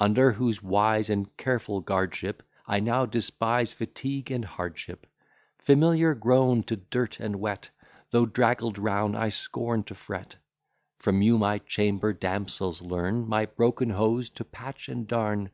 Under whose wise and careful guardship I now despise fatigue and hardship, Familiar grown to dirt and wet, Though draggled round, I scorn to fret: From you my chamber damsels learn My broken hose to patch and darn.